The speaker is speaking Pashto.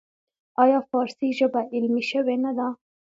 آیا فارسي ژبه علمي شوې نه ده؟